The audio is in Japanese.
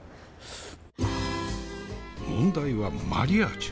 問題はマリアージュ。